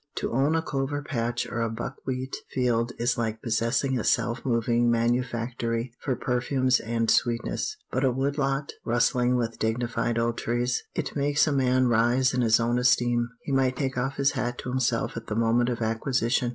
To own a clover patch or a buckwheat field is like possessing a self moving manufactory for perfumes and sweetness; but a wood lot, rustling with dignified old trees it makes a man rise in his own esteem; he might take off his hat to himself at the moment of acquisition.